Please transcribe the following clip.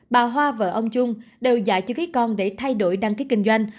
bà hoa vợ ông trung đều dạy cho khí con để thay đổi đăng ký kinh doanh